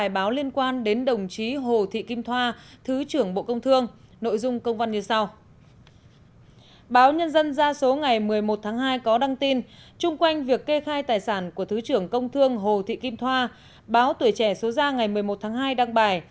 báo tuổi trẻ số ra ngày một mươi một tháng hai đăng bài